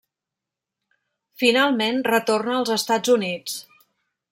Finalment, retorna als Estats Units.